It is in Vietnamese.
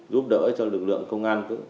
giúp đỡ cho lực lượng công an